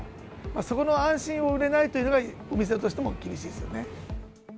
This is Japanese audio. そこの安心を売れないというのが、お店としても厳しいですよね。